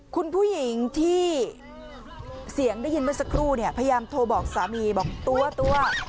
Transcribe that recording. คุณผู้หญิงที่เสียงได้ยินเมื่อสักครู่เนี่ยพยายามโทรบอกสามีบอกตัวตัว